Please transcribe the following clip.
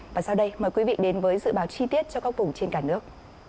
và sau đây mời quý vị đến với dự báo chi tiết cho các vùng trên cả nước